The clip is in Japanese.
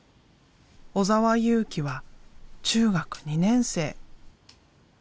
尾澤佑貴は中学２年生。